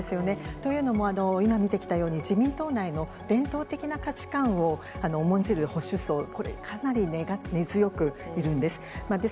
というのも、今見てきたように、自民党内の伝統的な価値観を重んじる保守層、これ、かなり根強くいるんです。